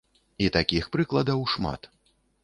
І такіх прыкладаў шмат.